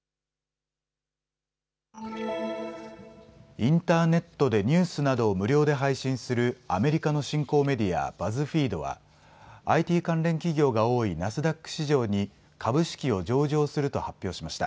インターネットでニュースなどを無料で配信するアメリカの新興メディア、バズフィードはＩＴ関連企業が多いナスダック市場に株式を上場すると発表しました。